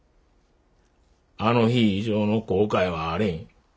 あの日以上の後悔はあれぃん。